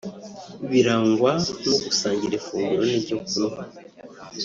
birangwa no gusangira ifunguro n’icyo kunywa